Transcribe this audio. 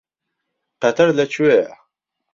قەتەر لەکوێیە؟